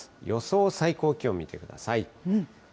予想最高気温見てください。